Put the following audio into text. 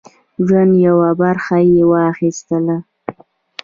ژوند یوه برخه یې واخیستله.